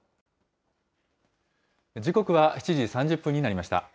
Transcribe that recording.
時刻は７時３０分になりました。